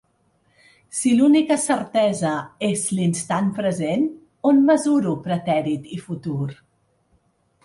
Si l’única certesa és l’instant present, on mesuro pretèrit i futur?